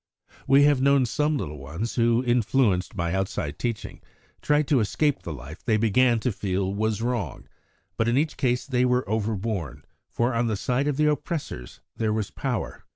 We have known of some little ones who, influenced by outside teaching, tried to escape the life they began to feel was wrong, but in each case they were overborne, for on the side of the oppressors there was power.